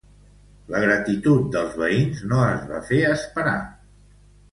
La gratitud dels veïns no es va fer esperar.